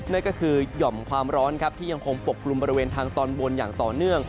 นั่นก็คือหย่อมความร้อนครับที่ยังคงปกกลุ่มบริเวณทางตอนบนอย่างต่อเนื่อง